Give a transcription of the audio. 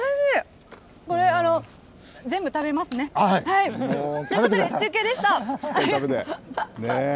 これ、全部食べますね。ということで、中継でした。